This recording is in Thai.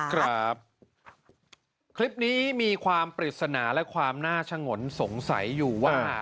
ครับคลิปนี้มีความปริศนาและความน่าชะงนสงสัยอยู่ว่า